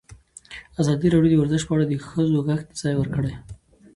ازادي راډیو د ورزش په اړه د ښځو غږ ته ځای ورکړی.